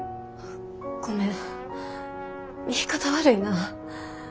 ごめん言い方悪いな。